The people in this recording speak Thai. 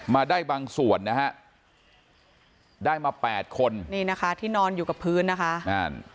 มาได้บางส่วนนะฮะได้มาแปดคนนี่นะคะที่นอนอยู่กับพื้นนะคะนั่น